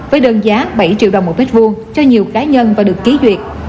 với đơn giá bảy triệu đồng một mét vuông cho nhiều cá nhân và được ký duyệt